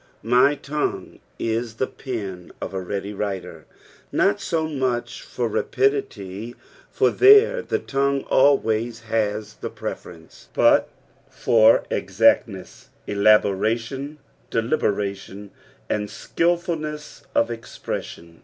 "My Umg aa u the pen qf a ready writer," not ao much for rapidity, for there the tongue always has the preference, but for exactness, elabcrntion, deliberation, and skilfulness of eiprcEsiun.